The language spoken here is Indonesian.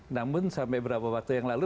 namun sampai beberapa waktu yang lalu